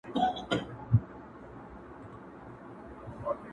له میو چي پرهېز کوم پر ځان مي ژړا راسي٫